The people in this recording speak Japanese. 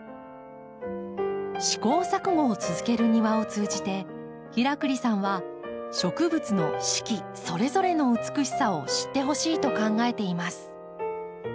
試行錯誤を続ける庭を通じて平栗さんは植物の四季それぞれの美しさを知ってほしいと考えています。